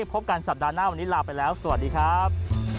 พบกันสัปดาห์หน้าวันนี้ลาไปแล้วสวัสดีครับ